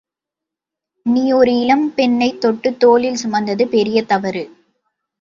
நீ ஒரு இளம் பெண்ணைத் தொட்டுத் தோளில் சுமந்தது பெரிய தவறு.